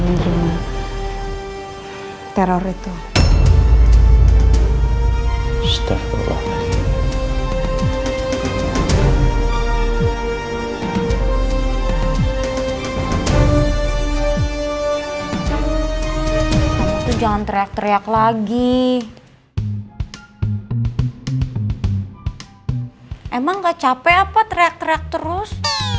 iya kan jess